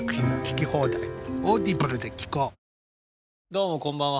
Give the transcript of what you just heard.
どうもこんばんは。